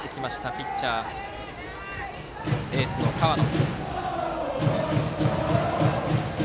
ピッチャー、エースの河野。